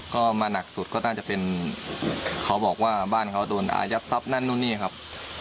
ก็มาหนักสุดก็น่าจะเป็นเขาบอกว่าบ้านเขาโดนอายัดทรัพย์นั่นนู่นนี่ครับ